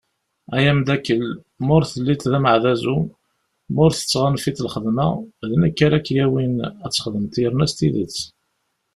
Ay amddakel, ma ur telliḍ d ameɛdazu, ma ur tettɣanfiḍ lxedma, d nekk ara ak-yawin , ad txedmeḍ yerna s tidet.